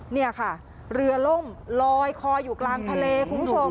นี่ค่ะเรือล่มลอยคออยู่กลางทะเลคุณผู้ชม